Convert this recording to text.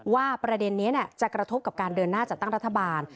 ประเด็นนี้จะกระทบกับการเดินหน้าจัดตั้งรัฐบาล